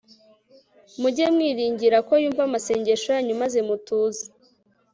mujye mwiringira ko yumva amasengesho yanyu maze mutuze